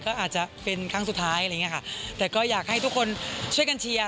ก็อาจจะเป็นครั้งสุดท้ายอะไรอย่างเงี้ค่ะแต่ก็อยากให้ทุกคนช่วยกันเชียร์